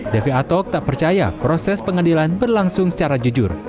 devi atok tak percaya proses pengadilan berlangsung secara jujur